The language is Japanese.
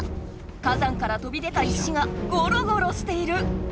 火山からとびでた石がゴロゴロしている。